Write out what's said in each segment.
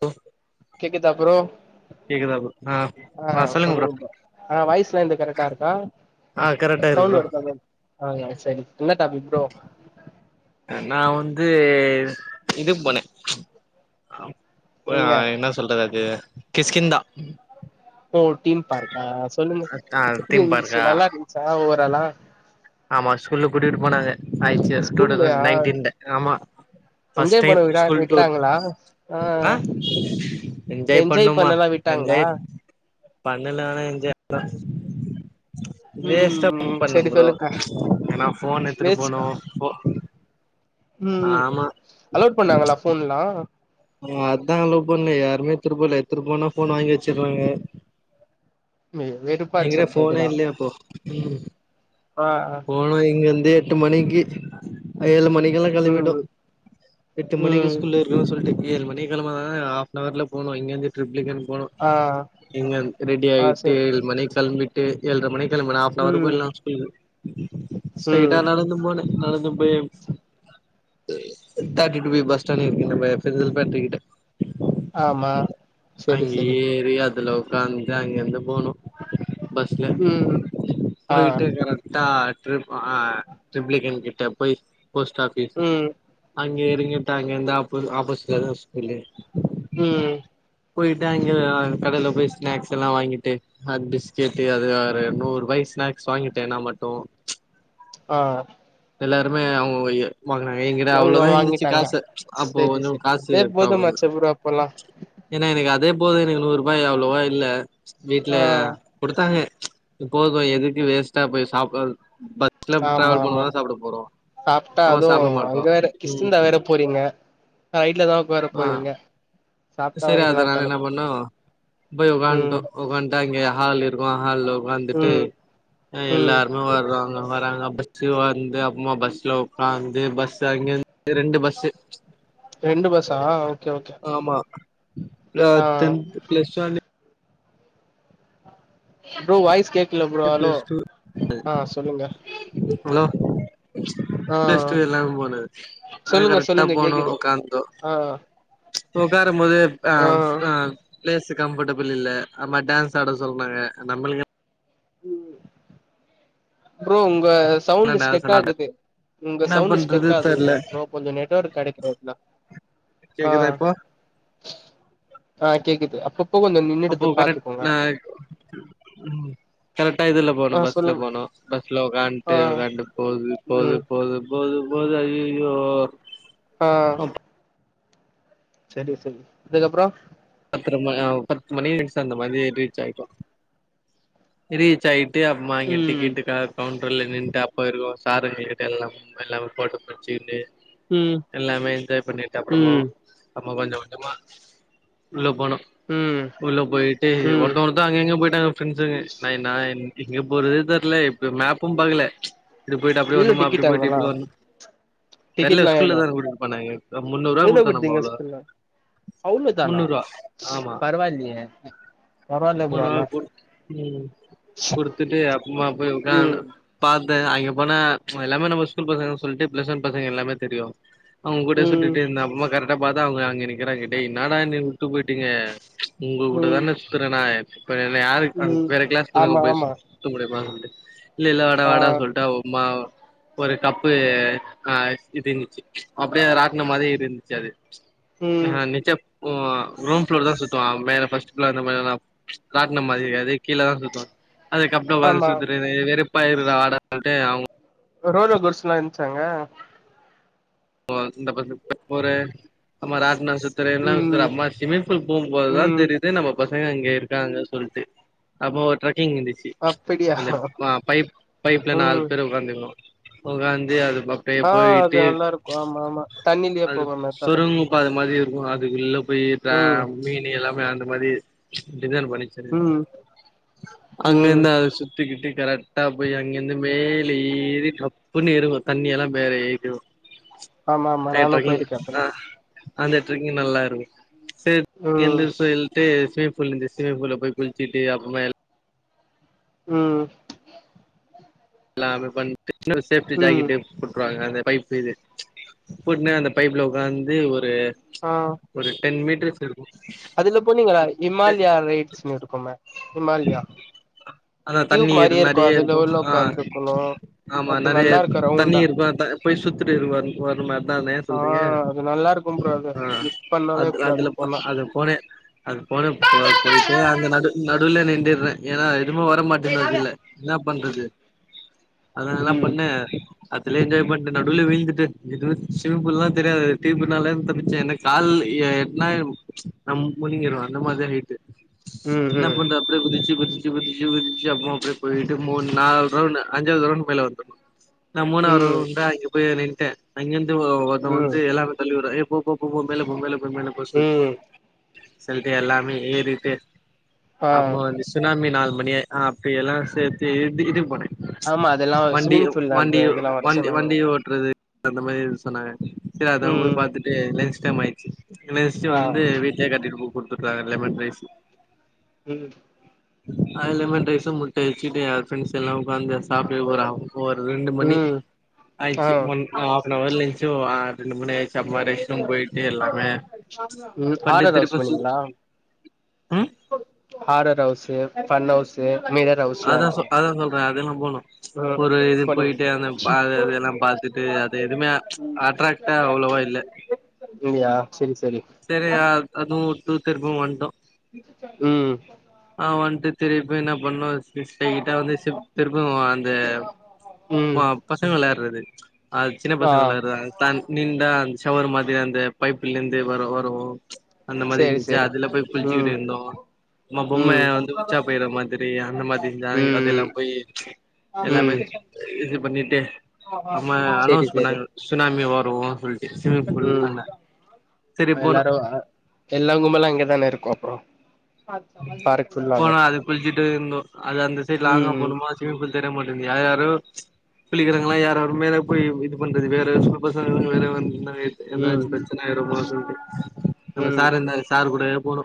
தோ கேக்குதா bro bro ஆ ஆ சொல்லுங்க ப்ரோ ஆ வாய்சுல்லா என்து கரெக்டா இருக்கா ஆ கரெக்டா இருக்கு ப்ரோ ஆங்க சரி என்ன டாபிக் ப்ரோ நா வந்து இதுக்கு போனே அப் அ எங்க என்ன சொல்றது அது கிஸ்கிந்தா ஓ தீம் பார்க்கா சொல்லுங்க ஆ எப்டி தீம் பார்க்கா இருந்துச்சு நல்லா இருந்துச்சா ஓவராலா ஆமா ஸ்கூல்ல கூடிட்டு போனாங்க ஆயிட்ச்சி டூ தௌசண்ட் ஸ்கூல்லயா நைன்டீன்ல ஆமா ஃபர்ஸ்ட் என்ஜாய் பண்ண டைம் விடா ஸ்கூல் டூர் விட்டாங்களா ஆ என்ஜாய் பண்ணமா விட்டாங்ளா தண்ணுல வேனா என்ஜாய் வேஸ்டா ம் பண்ணே சரி ப்ரோ சொல்லுங்க ஏனா ஃபோன் எத்துட்டு போனு வேஸ்ட்டா ஃபோ ம் அலோட் பண்ணாங்களா ஃபோன்ல்லா ம் அதா அலோ பண்ல யாருமே எத்துட்டு போல எத்துட்டு போனா ஃபோன வாங்கி வச்சுறாங்க வெறுப்பாச்சு எங்கிட ப்ரோ ஃபோனே இதெல்லா இல்லயே அப்போ ம் ஆ ஆ போனா இங்கிருந்து எட்டு மணிக்கு ஏழு மணிக்கல்லா கெளம்பிட்டோ ம் எட்டு மணிக்கு ம் ஸ்கூல்ல இருக்கனுன் சொல்ட்டு ஏழு மணிக்கு கெளம்புனா தா ஆஃப்னவர்ல போனோ இங்க இருந்து ட்ரிப்ள்கேன் போனோ ஆ இங்க ரெடி ஆ ஆயிட்டு சரி ஏழு மணிக் கெளம்பிட்டு ஏழற மணிக் கெளம்பனா ஆஃப்னவர்ல ம் போய்லா ம் ம் ஸ்டெய்ட்டா நடந்து போன நடந்து போய் தேட்டி டு பி பஸ் ஸ்டாண்ட் இருக்குல பென்சில் ஃபேக்ட்ரிகிட்ட ஆமா செரி அங்க செரி ஏறி அதுல ஒக்காந்து அங்கிருந்து போணோ பஸ்ல ம் ஆ போயிட்டேக்கற ட்டா ட்ரிப் ஆ ட்ரிப்ளிகேன் கிட்ட போய் போஸ்ட் ஆஃபிஸ் ம் அங்க எறங்கிட்டாங்கா அங்க இருந்து ஆப்போ ஆப்போசிட்ல தா ஸ்கூலு ம் போயிட்டு அங்க அ கடைல போய் ஸ்நாக்ஸ் எல்லா வாங்கிட்டு அ பிஸ்கட்டு அது ஆறு நூரூபாய்க்கு ஸ்நாக்ஸ் வாங்கிட்ட நா மட்டு ஆ எல்லாருமே அவுங்கவுங்கய்ய வாங்குனாய்ங்க எங்கிட்ட இவங்க அவ்ளோதா இருந்துச்சு வாங்கிட்டாங்க காசு அப்ப செரி கொஞ்சோ செரி காசு அதே ப்ராப்ளமு போதுமாச்சே ப்ரோ அப்பல்லா ஏனா எனக்கு அதே போது எனக்கு நூறு ரூபாய் அவ்ளோவா இல்ல வீட்ல ஆ குடுத்தாங்க இதுப்போதுபா எதுக்கு வேஸ்ட்டா போய் சாப்பாட் ஆமா ஆமா சாப்ட்டா நம்ம அதுவு சாப்ட மாட்டோ அங்க வேற ம் கிஷ்கிந்தா வேற போறீங்க ரைடுல தா ஒக்கார போவீங்க சேரி அதனால என்ன பண்ணோ போய் உக்காண்ட்டோ ம் உக்காண்ட்டு அங்க ஹால் இருக்கு ஹால்ல உக்காந்துட்டு ம் ஏ ம் எல்லாருமே வரோவுங்க வராங்க பஸ்ஸு வந்து அம்மா பஸ்ல ஒக்காந்து பஸ் அங்கெந் து ரெண்டு பஸ்ஸு ரெண்டு பஸ்ஸா ஓகே ஓகே ஆமா ன ஆ டென்த் ப்ளஸ் ஒன்னு bro voice cake [inaudible] plus two சொல்லுங்க ஹலோ ஆ ப்ளஸ்டூ எல்லாமே போன அது சொல்லுங்க கரெக்டா சொல்லுங்க போனோ கேக்குது ஒக்காந்தோ ஆ ஒக்காரும் போது அ ஆ அ பிளேஸ்ஸு கம்ஃபர்டபிள் இல்ல ஆமா டான்ஸ் ஆட சொன்னாங்க நம்பளுக்கு ம் ப்ரோ உங்க சவுண்டு டான்ஸ் ஸ்டெக் எல்லா ஆட ஆகுது உங்க என்ன சவுண்டு பண்றது ஸ்டெக் தெர்ல ஆகுது ப்ரோ கொஞ்சோ நெட்ஒர்க் கெடைக்கற எத்லா கேக்குதா இப்போ ஆ கேக்குது அப்பப்ப கொஞ்சம் அப்போ கரெக்ட் நா ம் கரெக்ட்டா இதுல போனோ ஆ பஸ்ல சொல்லுங் போனோ பஸ்ல உக்காண்ட்டு ஆ உக்காண்ட்டு போது போது ம் போது போது போது அய்யய்யோ ஆ சரி சரி இதுக்கப்புறோ பத்தரமா ஆ பத்து மணி இருஞ்சு அந்த மாரி ரீச் ஆயிட்டோ ரீச் ஆயிட்டு அம்மா இங்க ம் டிக்கெட்டுக்கா கவுண்டர்ல நின்டு அப்போ இருக்கோம் சாருங்கக்கிட்ட எல்லாம் எல்லாமே ரிப்போட்டப் புட்சினு ம் எல்லாமே என்ஜாய் பண்ணிட்டு அப்ரமா ம் ஆமா கொஞ்ச கொஞ்சமா உள்ள போனோம் ம் உள்ள போயிட்டு ம் ஒருத்த தங்க அங்க இங்க போய்ட்டாங்க ப்ரெண்ஸ்ங்க நைன் நா என் எங்கே போறதே தெர்ல இப்ப மேப்பும் பாக்கல இப்டி போயிட்டு அப்டி எவ்ளோ வரணுமா அப்படி டிக்கெட் போயிட்டு அங்கல்லா இப்டி வரணுமா தெர்ல டிக்கெட்லா ஸ்கூல்ல எவ்ளோ தா கூட்டீட்டுப்போனாங்க இப்ப முன்னூ ரூபா குடுத்தோ நம்ப அவ்ள தா அவங்க தானா பரவால்லியே உணவா கொடுத் உம் கொடுத்துட்டு அப்பமா போய்க் உக்காண் ம் பார்த்தேன் அங்கே போனா எல்லாமே நம்ம ஸ்கூல் பசங்க சொல்லிட்டு பிளஸ் ஒன் பசங்க எல்லாமே தெரியும் அவங்கூடே ம் சுத்திட்டே இருந்த அப்றமா கரெக்டா பாத்து அவங்கே நிக்கறாங்கே டேய் என்னாடா என்னய உட்டு போயிட்டீங்க உங்ககூட ம் தானே சுத்தறே நா இப்ப என்ன யாருக் அங்க ம் வேற கிளாஸ் பசங்க ஆமா போய் ஆமா சுத்த முடியுமா வந்து இல்ல இல்ல வாடா ஆ வாடா சொல்ட்டு அம்மாவ் ஒரு கப்பு ஆ இருஞ்ச்சு அப்டியே அது ராட்டினம் மாறி இருஞ்சு அது ம் ஆ நிச்சப் ரூம்குள்ள தா சுத்துவ மேல ஃபர்ஸ்ட் ப்ளோர் அந்த மா காட்டின மாதிரிக்கு அதே கீழ தா சுத்தம் அது க அப்பும் ஆமா சுத்துற அப்படுற ஆட அவங்க ரோலர் கோஸ்டர்லாம் இருந்துச்சாங்க போ அ ஆ ஒரு இந்த மார் ராட்னம் சு என்ன வி ம் அம்மா ஸ்விம்மிங பூல் போபோது தா ம் தெரிது நம்ம பசங்க இங்க இருக்காங்கன்னு சொல்லிட்டு அப்போ ஒரு எங்க இருந்துச்சு அப்படியா அந்த பைப் பைப்ல நாலு ம் பேர் உகாந்துக்கணும் ஒக்காந்தி அது பா ஆ அது நல்லா இருக்கும் ஆமா ஆமா தண்ணிலயே போகுமே தட க்கது மாதிரி இருக்கும் அதுக்குள்ள போய் ம் மீன் எல்லாமே அந்த மாரி டின்னர் மாரி ம் ம் அங்கருந்து அத சுத்திக்கிட்டு கரெக்டா போய் அங்கிருந்து மேல ஏறி புண்ணி இருக்கும் தண்ணி எல்லாம் வேற ஏ ஆமா ஆமா நானு டக்கி போயிருக்கே அப்பல்லா ஆ அந்த ட்ரக்கிங் நல்லா இருக்கும் சரி எ ம் ஸ்விமி பூல் இருந்து ஸ்விமி பூல்ல போய குச்சிட்டு அப்ப ம் லா அப்டி பண்டு சபிட்டி ம் ஜாக்கெட் போட்டுருவாங்க அந்த பைப் இது போட்டுனா அந்த பைப்ல ஒக்காந்து ஒரு ஒரு ஆ ஒரு டென் மீட்டர்ஸ் இருக்கும் அதுல போனீங்களா இஹமாலயா ரைட்ஸ்னு இருக்குமே இஹமாலயா ஆனா தண்ணீர் முன்னாடியே இருக்கும் ஆ ஹலோ ஆமா நறைய தண்ணி இருக்கும் போய் சுத்திட்டு வரும் வருமே அதான ஆ சொல்றீங்க அது நல்லா இருக்கும் ப்ரோ அது ஆ மிஸ் பண்ணவே அது கூடாது அதுல போனா அது போனே அது போன போ போயிட்டு அந்த நடு நடுல நின்னுட்றேன் ஏன்னா எதும வர மாட்டேன்னுது இல்ல என்ன பண்றது அதல்ல ம் பண்ணே அதுலய என்ஜாய் பண்ணட்டு நடுவில் வீழ்ந்துட்டு இதும விமிங் பூலல்லாம் தெரியாது தீபனால தப்பச்சேன் எனக்கு கால் எனா நம் முனிங்கடுவோம் அந்த மாரி ஹைட்டு ம் என்ன ம் அப்டியே குதிச்சி குதிச்சி குதிச்சி குதிச்சி அப்படி போய்ட்டு மூண் நாள் ப்ரோ நா அஞ்சாவது ரவுண்ட் போயிட்லா நா ம் மூணாது ரவுண்டா ம் அங்க போய் நின்னுட்டு அங்கிருந்து அங்க ம் வந்து எல்லாருமே தள்ளிவிடுறா ஏ போ போ போ போ மேல போ மேல போ மேல போ சொல் ம் சொல்ட்டு எல்லாமே ஏறிட்டு ஆ அப்றமா வந் சுனாமி நாலு மணி அப்படிய எல்லாம் சேர்த்து [unintelligible] போனேன் ஆமா அதெல்லா வண்டி ஸ்விம்மிங் பூல்ல வண்டி அந்த இதெல்லா வர வண்டி சொன்னாங்க வண்டிய மாரி ஓட்றது அந்த மாரி சொன்னாங்க சரி அதால போய் ம் பாத்துட்டு லன்ச் டைம் ஆயிடுச்சு லன்ச்சு ஆ வந்து வீட்லயே கட்டி கு குடுத்து உட்றாங்க லெமன் ரைஸ் ம் ஆ லெமன் ரைஸு முட்ட வச்சுட்டு அ ஃப்ரெண்ட்ஸ் எல்லா உக்காந்து சாப்ட்டு ஒரு ஒரு ரெண்டு மணி ம் ஆ ஆயிச்சு ஒன் ஆஃப் அன்வர்ல எந்துச்சி ரெண்டு மணி ஆயிச்சு அப்றமாட்டு ரெஷ்ட்ரூம் போயிட்டு எல்லாமே ம் ஹாரர் ஹவுஸ் பண்டித்திருப்ப போனீங்களா horror house fun house mirror ஹவுஸ்ஸுல்லா இருக்குங்க அ அதெல்லாம் போணோம் ம் ஒரு இது போனீங் போயிட்டு அந்த அது அது எல்லாம் பாத்துட்டு அத எதுமே ம் அட்ராக்டா அவ்வளவா இல்ல இல்லையா சரி சரி சரியா அதுவும் டு திரும்பவும் வந்துட்டோம் உம் ஆ வந்துட்டு திருப்பி என்ன பண்ணோ கிருஷ்ட கிட்ட வந்து ச திருப்பும் அந்த ம் பசங்கள் விளாட்றது அ சின்ன ஆ பசங்க விளாட்றது அ தன் நிண்டா அந்த ஷவர் மாதிரி அந்த பைப்புல இருந்து வரும் வரும் அந்த மாதிரி செரி இருந்துச்சு செரி அதுல போய் ம் குளிச்சுக்கிட்டு இருந்தோம் சும்மா பொம்ம ம் வந்து உச்சா பேயிற மாதிரி அந்த மாதிரி அதெல்லாம் போயி உம் இது பண்ணிட்டே அப்றமா சேரி அனௌன்ஸ் சேரி பண்ணாங்க சுனாமி வரும் சொல்லிட்டு ஸ்விமிங் ஃபூல் ம் அந்த எல்லாரு எல்லா கும்பல்லும் அங்கதான இருக்கும் அப்புறம் பார்க் சொல்லுவாங்க போனா அது குளிச்சுட்டு இருந்தோம் அது அந்த சைட் லாங்கா ம் போனுமா ஸ்விமிங் பூல் தெரிய மாட்டேந்து யார் யாரும் குளிக்கிறவுங்களா யார் யாருமே போய் இது பண்றது வேற ஸ்கூல் பசங்க வேற வந்து ம் எதாச்சும் பிரச்சனை ஆயிடுமோ சொல்ட்டு நம்ம ம் சார் இருந்தாரு சார் கூடே போணோ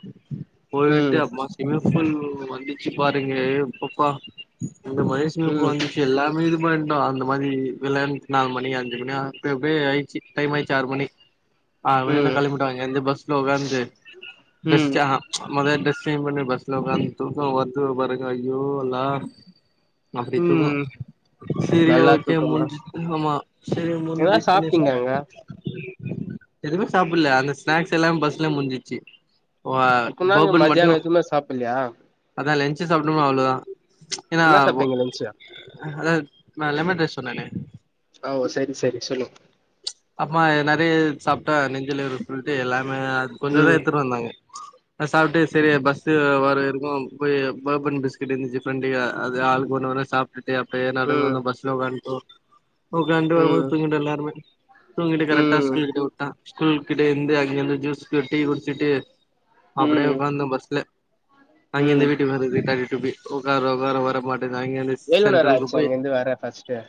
போயிட்டு ம் அம்மா ஸ்விமிங் பூல் வந்துச்சு பாருங்க அப்பப்பா இந்த மாரி ஸ்விமிங் ஃபுல் ம் வந்துச்சி எல்லாமே இது பண்ட்டோம் அந்த மாதிரி விளையாடி நாலு மணி அஞ்சு மணி அப்பப்பே ஆயிச்சு டைம் ஆயிச்சு ஆறு மணி ஆ வேன்லே ம் கெளம்பிட்டோ இங்கேருந்து [unintelligible] ம் பண்ணி பஸ்ல உக்காந்து தூக்கம் வருது பாருங்க ஐயோ எல்லா அப்டி தூக்கோ ம் சரி நல்லா ஓகே தூக்கமா முடிஞ்சிச்சு ஆமா சரி என்னா முடிஞ்சிச்சுன்னே சாப்ட்டீங்க சொல் அங்க எதுமே சாப்பிட்ல அந்த ஸ்நாக்ஸ் எல்லாமே பஸ்ல முடிஞ்சிச்சு வா அப்பனா அங்க ஓபன் மட்டும் மதியானோ எதுமே சாப்பிடலையா அதான் லன்ச்சு சாப்டம்லயா அவ்வளோதா ஏன்னா என்ன சாப்ட்டீங்க லன்ச்சு அத நா லெமன் ரைஸ் சொன்னனே ஓ சரி சரி சொல்லு அப்பமா நெறைய சாப்ட்டா நெஞ்சுல இருக்குன்டு எல்லாமே அ கொஞ்சம் தா ம் எடுத்துட்டு வந்தாங்க ஆ சாப்ட்டு சரி பஸ்ஸு வர வரிக்கு போய் போர்பன் பிஸ்கட் இருந்துச்சு ஃப்ரெண்டுய அதுே ஆளுக்கு ஒன்னு ஒன்னா சாப் ட்டுட்டு அப்பயே நடந்து ம் வந்து பஸ்ல உக்காண்ட்டோ உக்காந்து ஒரு ம் மண்நேர தூங்கிட்டோ எல்லாருமே தூங்கிட்டு கரெடீடா ம் ஸ்கூல் கிட்ட உட்டா ஸ்கூல் கிட்டேருந்து அங்கேர்ந்து ஜூஸ் டீ குடிச்சிட்டு அப்படியே ம் உக்காந்தோ பஸ்ல அங்க இந்த ம் வீட் டு வருது கரெக்ட்டா வீட்டு போய் உக்கார வர வர மாட் டேன்து அங்கேர்ந்து எவ்ளோ நேரோ சென்டரல்க்கு ஆச்சு போய் அங்கருந்து வர ஃபஸ்ட்டு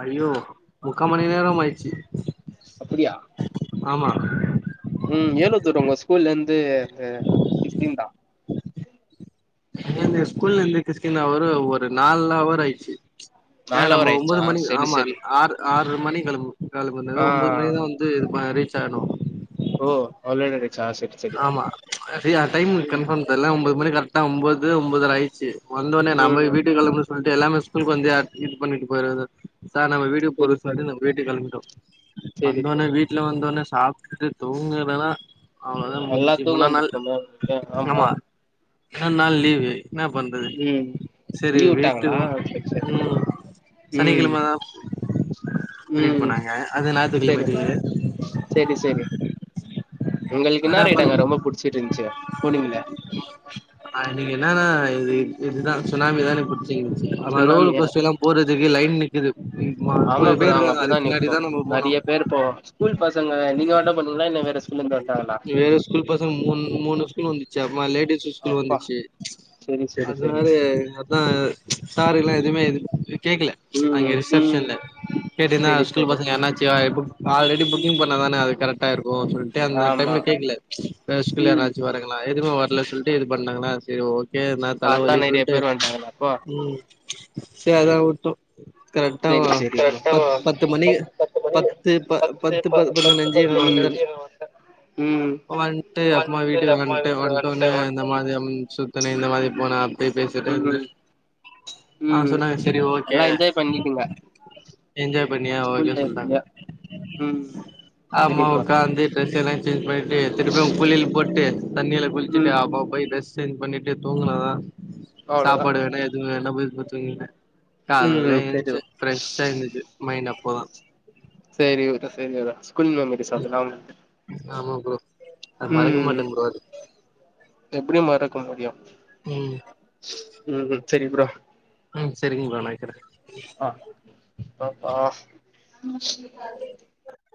ஐயோ முக்கா மணி நேரம் ஆயிருச்சு அப்படியா ஆமா ம் ஏளோ தூர உங்க ஸ்கூல்லேருந்து ஆ கிஸ்கிந்தா அங்கேர்ந்து ஸ்கூல்லேர்ந்து கிஷ்கிந்தா வர ஒரு நாலு ஹவர் ஆயிச்சு ஆ நால் அவர் நம்ம ஆயிடுச்சா ஒம்போது மணிக்கு செரி ஆமா செரி ஆறு ஆறு மணிக் கெளம்பு கெளம்பி வந்தது ஆ ஒம்போது மணிதா வந்து ஆ இது ரீச் ஆணோ ஓ அவ்ளோ நேர அடிச்சா செரி செரி ஆமா டைமு ம் கன்ஃபார்ம் தெர்ல ஒம்போது மணி கரெட்டா ஒம்போது ஒம்போதர ஆயிச்சு வந்தோன்னே நா போய் ம் வீட்டுக் கெளம்புறனு சொல்ட்டு எல்லாமே ஸ்கூலுக்கு வந்து இது பண்ணிட்டு போயிருது சார் நம்ம வீட்டு டுக்கு செரி போறோ செரி சொல்ட்டு நாங் வீட்டுக்கு கெளம்பிட்டோ செரி வந்தோனீனே செரி வீட் வீட்ல வந்தோன்னே சாப்ட்டுட்டு தூங்குறதுனா அவ்ளோதா நல்லா முடிஞ்சச்சு தூக்கோ முன்னா நாள் வந்திருக்குமே உங்களுக்கு ஆமா முன்னா நாள் லீவு என்ன பண்றது ம் சரி லீவ் வெயிட்டு விட்டாங்களா செரி செரி ம் ம் சனிக்கெழம தா வெயிட் ம் பண்ணாங்க அது செரி ஞாயித்துக்கெழம செரி செரி ஒங்களுக்கு இன்னா ஆனா ரைட் பண் அங்க ரொம்ப புடிச்சிட்டு இருந்துச்சு போனீங்களே அன்னக்கி என்னான்னா இது இதுதா சுனாமிதா எனக்கு புடிச்சிருந்ச்சி ஆனா ரோலர் சுண்ணாமியா கோஸ்டெல்லா போறதுக்கு லைன் நிக்குதுது மு மா முப்பது பேர் இருக்காங்க அதுக்கு பின்னாடிதா நம்ம போனு வேறு தோழா ஸ்கூல் பசங்க நீங்க அட்டன் பண்ணிங்களா இல்ல வேற ஸ்கூலருந்து வந்ட்டாங்களா நீ வேற ஸ்கூல் பசங்க மூணு மூணு ஸ்கூல் வந்துச்சி அக்மா லேடீஸ் ஸ் ஸ்கூல்ல அப்பா வந்துச்சு செரி செரி அது செரி மாரி அதா சாரின்னா எதுமே இது கேக்கல அங்க ம் ரிசப்ஷன்ல கேட்டிருந்தா செரி ஸ்கூல் செரி பசங்க யார்னா ச்சியா குட் ஆல்ரெடி புக்கிங் பண்ண தானே அது கரக்டாருக் கோ சொல் அந்த ஆமா டைம்ல கேலஸ யாராச்சும் ட்டு அந்த டைம்ல கேக்கல வேற ஸ்கூல்ல ம் யாராச்சு வராங்களா எது சொல்லிட்டுது பண்ணாங்களா சரி ஓகே ட்டு நா பாத்தா தலவலி நெறைய சொல்டு பேர் வந்ட்டாங்களா அப்போ ம் சே அதா உட்டொ கரெக்டா செரி செரி பத் பத்து மணி பத்து ப பத்து பஸ் பதிநிறளஞ்சு நாய்ிஜ்ஜிஸ் வந்தனப்ப் ம் வந்துட்டு அப்பமா வந்ட்டு வீட்டுக்கு அம்மா வந்ட்டு அப்பனறமா வீட்டுக்கு வந்ட்டு வந்துட்டோனே இந்த வந்தோனே மாரி சுத்தண இந்த மாரி போன போய் பேசிட்டே இருந்தே ம் ஆ ம் சொன்னாங்க சரி ஓகே நல்லா என்ஜாய் பண்ணிட்டீங்க என்ஜாய் பண்ணியா ஸ்கூல் ஓகே சொல்ட்டாங்க லைஃப்லயே ம் செரி ஆமா ப்ரோ ஒக்காந்து ட்ரெஸெல்லா சேஞ்ச் பண்ட்டு திரும்பவு குளுயல் போட்டு தண்ணீல குளிச்சிட்டு ம் அப்பா போய் டெஸ் சேஞ்ச் பண்ணிட்டே தூ அவ்ளோதா எதும் வேணனா போய் பொய் தூங்கீட்டே கால்ல ம் செரி ப்ரோ ஏந்திச்சே ஃப்ரஷ்ஷா இந்துச்சி மைண்ட் அசி இந்த இ சேரி இவர்ட்ட சேதி வேற ஸ்கூல்ல வந்துட்டு சொல்லலாம் ஆமா ப்ரோ நா மறக்க மாட்டே ப்ரோ அது எப்டி மறக்க முடியும் ம் ம் ம் செரி ப்ரோ ம் சேரிங்க ப்ரோ நா வெக்கிறே அ பாப்பா